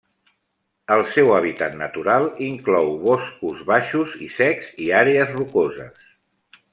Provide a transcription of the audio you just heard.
El seu hàbitat natural inclou boscos baixos i secs i àrees rocoses.